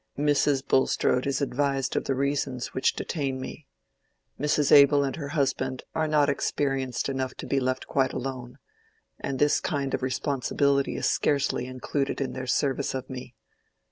"Mrs. Bulstrode is advised of the reasons which detain me. Mrs. Abel and her husband are not experienced enough to be left quite alone, and this kind of responsibility is scarcely included in their service of me.